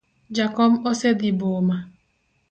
Jakom osedhi boma.